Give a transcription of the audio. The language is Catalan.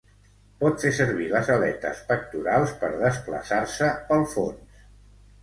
Pot fer servir les aletes pectorals per desplaçar-se pel fons.